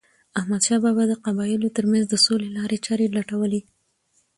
احمدشاه بابا د قبایلو ترمنځ د سولې لارې چارې لټولې.